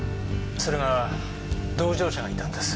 それが同乗者がいたんです。